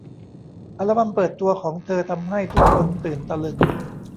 อัลบัมเปิดตัวของเธอทำให้ทุกคนตื่นตะลึง